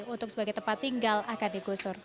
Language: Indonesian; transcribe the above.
untuk sebagai tempat tinggal akan digusur